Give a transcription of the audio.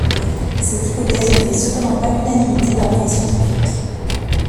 Cette hypothèse ne fait cependant pas l'unanimité parmi les scientifiques.